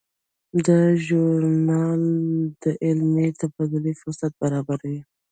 دا ژورنال د علمي تبادلې فرصت برابروي.